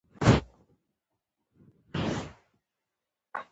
په افغانستان کې دریابونه د خلکو د ژوند په کیفیت تاثیر کوي.